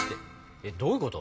えっどういうこと？